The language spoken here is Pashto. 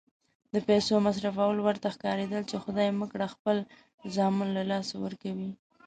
د پیسو مصرفول ورته ښکارېدل چې خدای مه کړه خپل زامن له لاسه ورکوي.